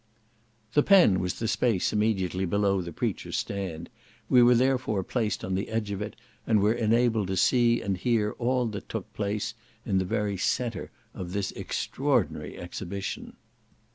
"The pen" was the space immediately below the preachers' stand; we were therefore placed on the edge of it, and were enabled to see and hear all that took place in the very centre of this extraordinary exhibition.